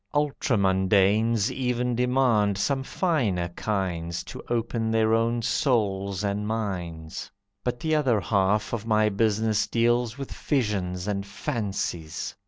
Ultramundanes Even demand some finer kinds To open their own souls and minds. But the other half of my business deals With visions and fancies.